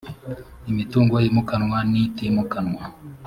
imitungo yimukanwa n itimukanwa